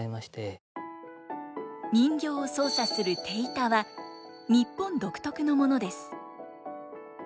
人形を操作する手板は日本独特のものです。